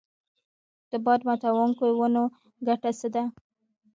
د باد ماتوونکو ونو ګټه څه ده؟